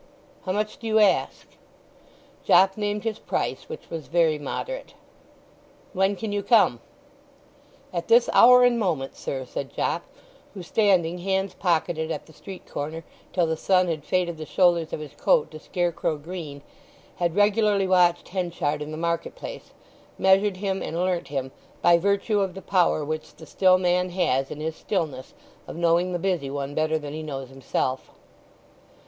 "How much do you ask?" Jopp named his price, which was very moderate. "When can you come?" "At this hour and moment, sir," said Jopp, who, standing hands pocketed at the street corner till the sun had faded the shoulders of his coat to scarecrow green, had regularly watched Henchard in the market place, measured him, and learnt him, by virtue of the power which the still man has in his stillness of knowing the busy one better than he knows himself.